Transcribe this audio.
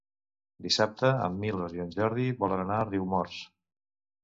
Dissabte en Milos i en Jordi volen anar a Riumors.